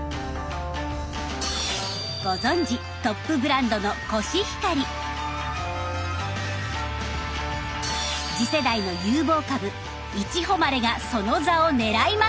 ご存じトップブランドの次世代の有望株「いちほまれ」がその座を狙います。